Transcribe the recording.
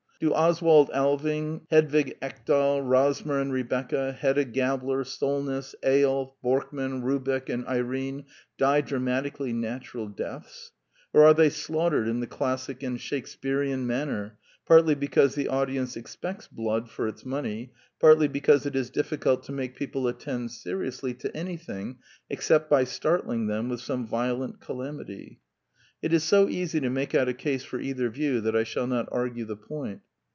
Do Oswald Alving, Hedvig Ekdal, Rosmer and Rebecca, Hedda Gabler, Solness, Eyolf, Borkman, Rubeck and Irene die dramatic ally natural deaths, or are they slaughtered in the classic and Shakespearean manner, partly because the audience expects blood for its money, partly because it is difficult to make people attend seri ously to anything except by startling them with some violent calamity? It is so easy to make out a case for either view that I shall not argue the point.